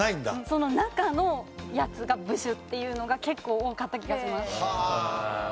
その中のやつが部首っていうのが結構多かった気がします。